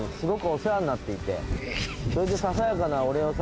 それで。